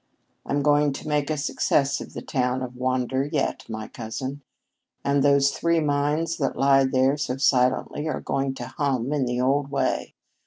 I'm going to make a success of the town of Wander yet, my cousin, and those three mines that lie there so silently are going to hum in the old way.